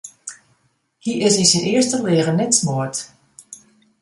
Hy is yn syn earste leagen net smoard.